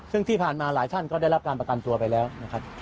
ซึ่งที่ผ่านมาหลายท่านก็ได้รับการประกันตัวไปแล้วนะครับ